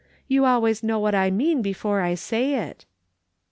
You always know what I mean before I say it."